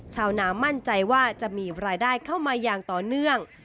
ชาวนามั่นใจว่าจะมีรายได้เข้ามาอย่างต่อเนื่อง